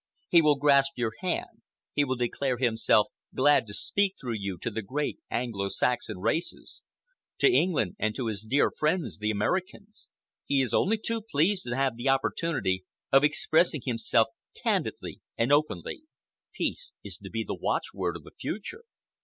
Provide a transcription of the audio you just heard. He will grasp your hand; he will declare himself glad to speak through you to the great Anglo Saxon races—to England and to his dear friends the Americans. He is only too pleased to have the opportunity of expressing himself candidly and openly. Peace is to be the watchword of the future.